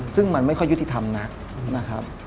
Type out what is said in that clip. ซึ่งมันไม่ค่อยยุติธรรมหนัก